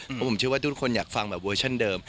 เพราะผมเชื่อว่าทุกคนอยากฟังแบบเวอร์ชั่นเดิม